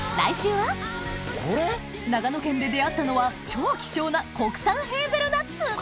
長野県で出合ったのは超希少な国産ヘーゼルナッツ殻